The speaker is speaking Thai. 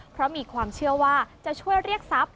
เพราะมีความเชื่อว่าจะช่วยเรียกทรัพย